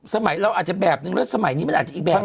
สมัยเราอาจจะแบบนึงแล้วสมัยนี้มันอาจจะอีกแบบนึง